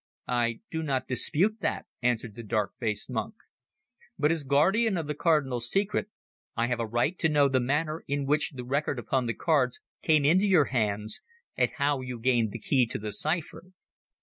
"I do not dispute that," answered the dark faced monk. "But as guardian of the Cardinal's secret, I have a right to know the manner in which the record upon the cards came into your hands, and how you gained the key to the cipher."